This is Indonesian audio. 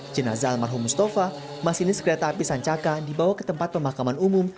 jenazah almarhum mustafa masinis kereta api sancaka dibawa ke tempat pemakaman umum